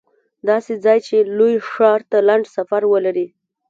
داسې ځای چې لوی ښار ته لنډ سفر ولري